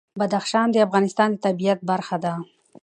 بدخشان د افغانستان د طبیعت برخه ده.